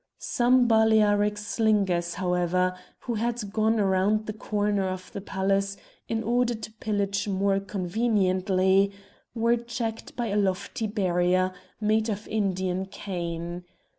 Some Balearic slingers, however, who had gone round the corner of the palace, in order to pillage more conveniently, were checked by a lofty barrier, made of Indian cane.